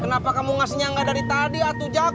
kenapa kamu gak senyangga dari tadi atu jak